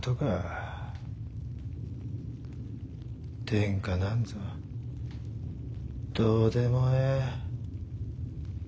天下なんぞどうでもええ。